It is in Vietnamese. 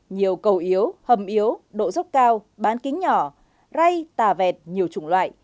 nhiều cầu yếu hầm yếu độ dốc cao bán kính nhỏ ray tà vẹt nhiều chủng loại